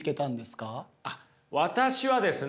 あっ私はですね